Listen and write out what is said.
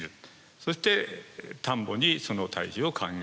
そして田んぼにその堆肥を還元。